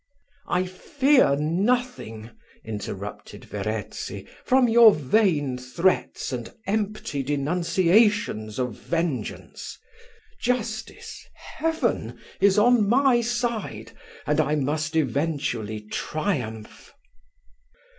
"I fear nothing," interrupted Verezzi, "from your vain threats and empty denunciations of vengeance: justice, Heaven! is on my side, and I must eventually triumph."